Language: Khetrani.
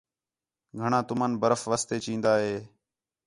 گھݨاں تُمن برف واسطے چین٘دا ہِے